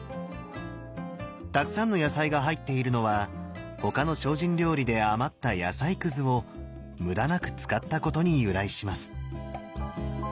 たくさんの野菜が入っているのは他の精進料理で余った野菜くずを無駄なく使ったことに由来します。